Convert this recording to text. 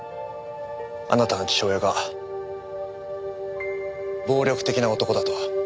あなたの父親が暴力的な男だと。